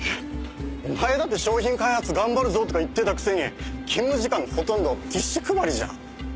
お前だって商品開発頑張るぞとか言ってたくせに勤務時間のほとんどティッシュ配りじゃん。